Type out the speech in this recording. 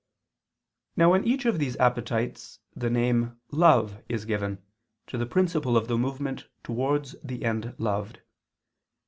_ Now in each of these appetites, the name "love" is given to the principle of movement towards the end loved.